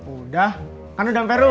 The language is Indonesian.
udah kan udah sampe rumah